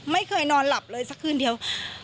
ไม่เคยนอนหลับเลยสักคืนเดียว